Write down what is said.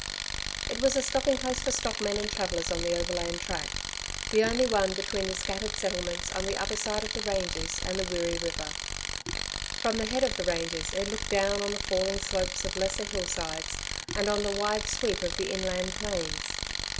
It was a stopping place for stockmen and travellers on the overland track, the only one between the scattered settlements on the other side of the ranges and the Wirree River. From the head of the ranges it looked down on the falling slopes of lesser hillsides and on the wide sweep of the inland plains.